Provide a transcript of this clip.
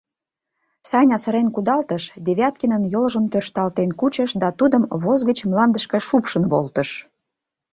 — Саня сырен кудалтыш, Девяткинын йолжым тӧршталтен кучыш да тудым воз гыч мландышке шупшын волтыш.